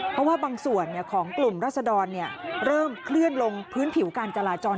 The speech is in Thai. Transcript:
เพราะว่าบางส่วนของกลุ่มรัศดรเริ่มเคลื่อนลงพื้นผิวการจราจร